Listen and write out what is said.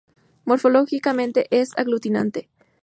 Morfológicamente es aglutinante.